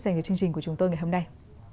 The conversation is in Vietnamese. dành cho chương trình của chúng tôi ngày hôm nay